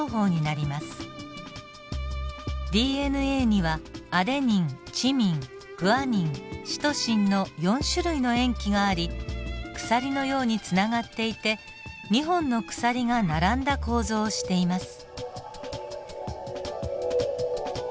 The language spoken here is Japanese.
ＤＮＡにはアデニンチミングアニンシトシンの４種類の塩基があり鎖のようにつながっていて２本の鎖が並んだ構造をしています。